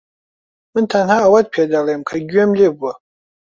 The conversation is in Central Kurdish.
من تەنها ئەوەت پێدەڵێم کە گوێم لێ بووە.